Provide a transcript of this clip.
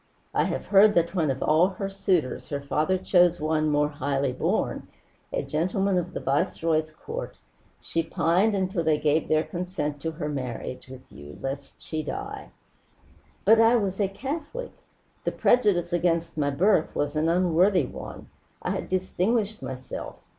"I have heard that when of all her suitors her father chose one more highly born, a gentleman of the Viceroy's court, she pined until they gave their consent to her marriage with you, lest she die." "But I was a Catholic! The prejudice against my birth was an unworthy one. I had distinguished myself.